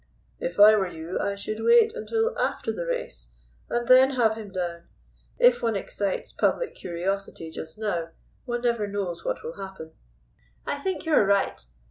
"If I were you I should wait till after the race, and then have him down. If one excites public curiosity just now, one never knows what will happen." "I think you are right.